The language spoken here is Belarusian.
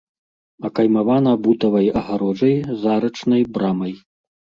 Акаймавана бутавай агароджай з арачнай брамай.